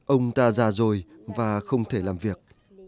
ông ta già rồi và không thể làm việc